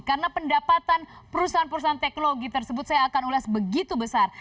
karena pendapatan perusahaan perusahaan teknologi tersebut saya akan ulas begitu besar